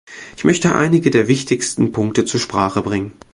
Ich möchte einige der wichtigsten Punkte zur Sprache bringen.